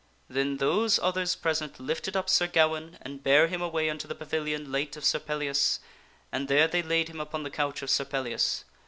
Then those others present lifted up Sir Gawaine and bare him away unto the pavilion late of Sir Pellias, and there they laid him upon the couch of Sir Pellias.